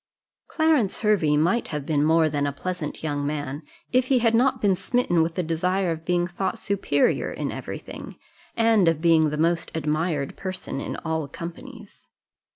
Clarence Hervey might have been more than a pleasant young man, if he had not been smitten with the desire of being thought superior in every thing, and of being the most admired person in all companies.